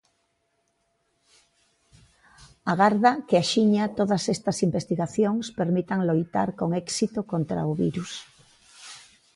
Agarda que axiña todas estas investigacións permitan loitar con éxito contra o virus.